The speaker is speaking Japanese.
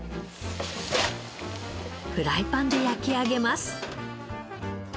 フライパンで焼き上げます。